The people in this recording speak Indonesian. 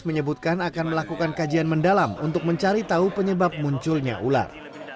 menyebutkan akan melakukan kajian mendalam untuk mencari tahu penyebab munculnya ular